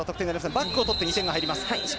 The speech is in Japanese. バックを取って２点が入ります。